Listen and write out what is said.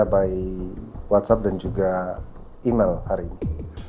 by whatsapp dan juga email hari ini